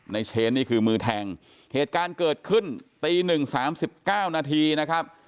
เชนนี่คือมือแทงเหตุการณ์เกิดขึ้นตีหนึ่งสามสิบเก้านาทีนะครับ